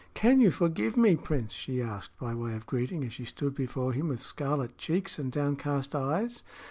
"Can you forgive me, Prince?" she asked, by way of greeting, as she stood before him with scarlet cheeks and downcast eyes.